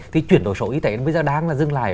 thì chuyển đổi số y tế bây giờ đang dừng lại